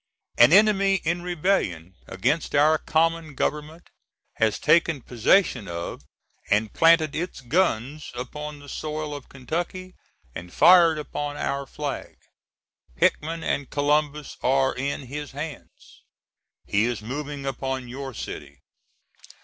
An enemy, in rebellion against our common Government, has taken possession of, and planted its guns upon the soil of Kentucky and fired upon our flag. Hickman and Columbus are in his hands. He is moving upon your city.